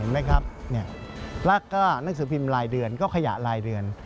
และก็หนังสือพิมพ์ลายเดือนก็ขยะลายเดือน